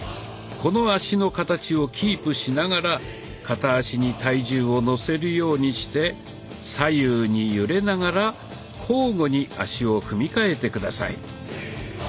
この足の形をキープしながら片足に体重をのせるようにして左右に揺れながら交互に足を踏みかえて下さい。